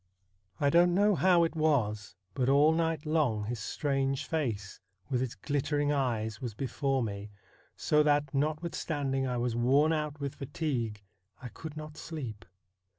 I don't know how it was, but all night long his strange face with its glittering eyes was before me, so that, notwith standing I was worn out with fatigue, I could not sleep.